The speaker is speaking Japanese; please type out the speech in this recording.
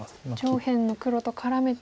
上辺の黒と絡めて。